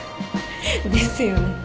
ですよね。